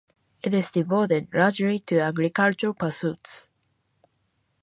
It is devoted largely to agricultural pursuits.